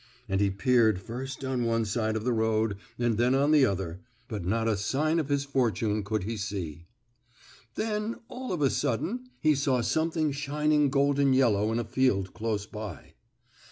And he peered first on one side of the road and then on the other, but not a sign of his fortune could he see. Then, all of a sudden he saw something shining golden yellow in a field close by.